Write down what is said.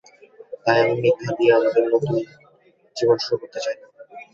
তাই আমি মিথ্যা দিয়ে, আমাদের নতুন জীবন শুরু করতে চাই না।